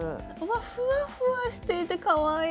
ふわふわしていてかわいい！